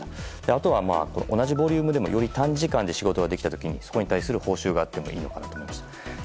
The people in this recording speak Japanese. あとは同じボリュームでもより短時間で仕事ができたときにそこに対する報酬があってもいいのかなと思いました。